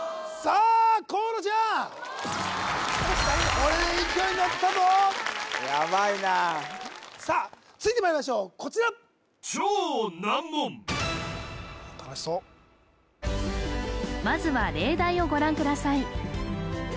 これで勢いにのったぞさあ続いてまいりましょうこちら楽しそうまずは例題をご覧ください